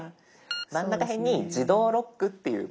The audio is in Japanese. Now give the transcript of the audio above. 真ん中へんに「自動ロック」っていう。